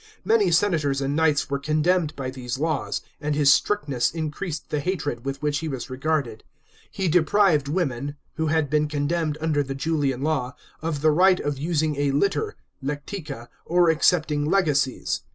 Many senators and knights were condemned by these laws, and his strictness increased the hatred with which he was regarded. He deprived women, who had been condemned under the Julian law, of the right of using a litter (lectica) or accepting legacies.